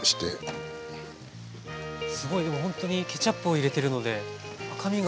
すごいでもほんとにケチャップを入れてるので赤みが。